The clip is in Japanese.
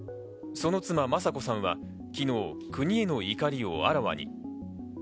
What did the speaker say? その妻・雅子さんは昨日、国への怒りをあらわに。